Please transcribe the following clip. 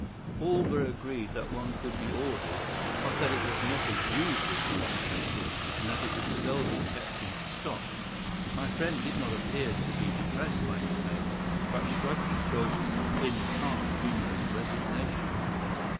All were agreed that one could be ordered, but that it was not a usual size of pencil and that it was seldom kept in stock. My friend did not appear to be depressed by his failure, but shrugged his shoulders in half humorous resignation.